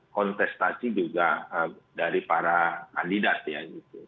kontestasi juga dari para kandidat ya gitu